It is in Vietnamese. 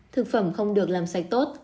thực phẩm không được làm sạch tốt